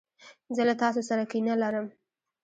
زه له تاسو سره کینه لرم.